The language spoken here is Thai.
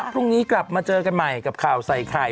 พรุ่งนี้กลับมาเจอกันใหม่กับข่าวใส่ไข่